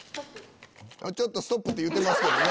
ちょっと「ストップ」って言ってますけどね。